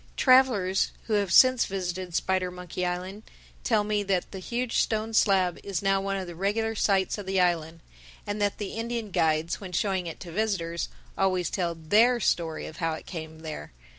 Travelers who have since visited Spidermonkey Island tell me that that huge stone slab is now one of the regular sights of the island. And that the Indian guides, when showing it to visitors, always tell their story of how it came there.